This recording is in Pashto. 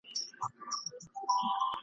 تا ویل د بنده ګانو نګهبان یم !.